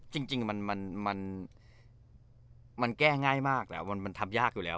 จริงจริงมันมันมันมันแก้ง่ายมากแล้วมันมันทำยากอยู่แล้วอ่ะ